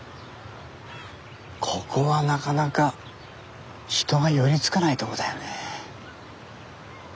ここはなかなか人が寄りつかないとこだよね。